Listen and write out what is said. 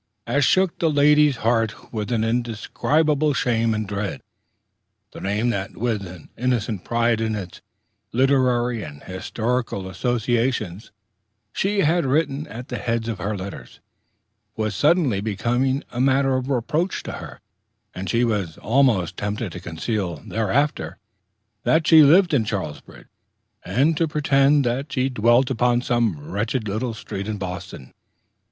as shook the lady's heart with an indescribable shame and dread. The name that, with an innocent pride in its literary and historical associations, she had written at the heads of her letters, was suddenly become a matter of reproach to her; and she was almost tempted to conceal thereafter that she lived in Charlesbridge, and to pretend that she dwelt upon some wretched little street in Boston.